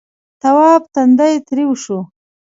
تواب تندی تريو شو.